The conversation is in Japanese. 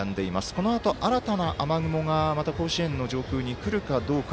このあと、新たな雨雲が甲子園の上空にくるかどうか。